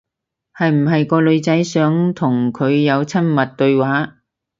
係唔係個女仔想同佢有親密對話？